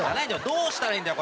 どうしたらいいんだよ？